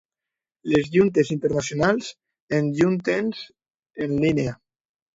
Les juntes internacionals, en juntes en línia.